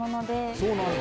そうなんだ？